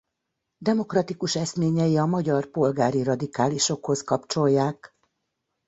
Demokratikus eszményei a magyar polgári radikálisokhoz kapcsolják.